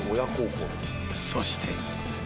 ［そして］